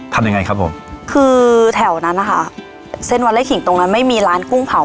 ทำยังไงครับผมคือแถวนั้นนะคะเส้นวันเล็กขิงตรงนั้นไม่มีร้านกุ้งเผา